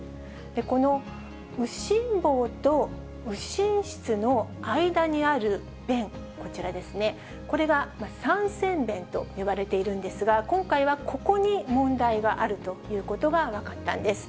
この右心房と右心室の間にある弁、こちらですね、これが三尖弁といわれているんですが、今回はここに問題があるということが分かったんです。